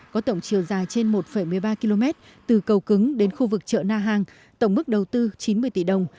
có tổng chiều dài trên một một mươi ba km từ cầu cứng đến khu vực chợ na hàng tổng mức đầu tư chín mươi tỷ đồng